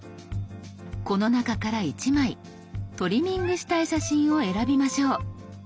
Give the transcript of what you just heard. この中から１枚トリミングしたい写真を選びましょう。